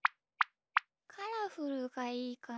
カラフルがいいかな？